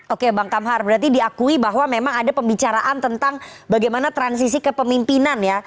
oke bang kamhar berarti diakui bahwa memang ada pembicaraan tentang bagaimana transisi kepemimpinan ya